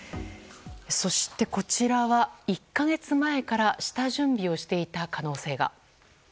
そして、こちらは１か月前から下準備をしていた可能性が。